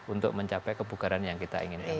untuk mencapai kebugaran yang kita inginkan